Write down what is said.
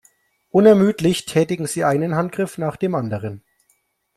Unermüdlich tätigen sie einen Handgriff nach dem anderen.